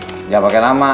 jangan pake nama